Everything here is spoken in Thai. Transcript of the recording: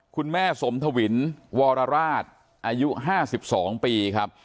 คุณแม่สมทวินวรราชอายุ๕๒ปีครับ